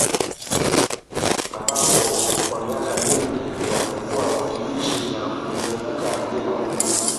Ambapo kwa miaka mingi wamekuwa wakiishi na kuuzunguka mlima huu